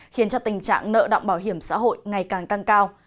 khiến cho tình trạng nợ động bảo hiểm xã hội ngày càng tăng cao